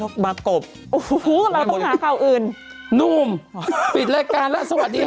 มากบโอ้โหเราต้องหาข่าวอื่นนุ่มปิดรายการแล้วสวัสดีค่ะ